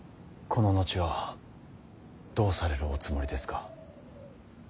この後はどうされるおつもりですか。